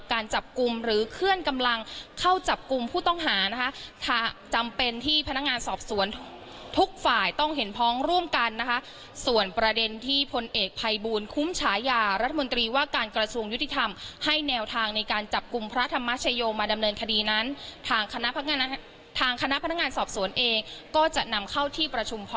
การจับกลุ่มหรือเคลื่อนกำลังเข้าจับกลุ่มผู้ต้องหานะคะจำเป็นที่พนักงานสอบสวนทุกฝ่ายต้องเห็นพ้องร่วมกันนะคะส่วนประเด็นที่พลเอกภัยบูลคุ้มฉายารัฐมนตรีว่าการกระทรวงยุติธรรมให้แนวทางในการจับกลุ่มพระธรรมชโยมาดำเนินคดีนั้นทางคณะพนักงานทางคณะพนักงานสอบสวนเองก็จะนำเข้าที่ประชุมค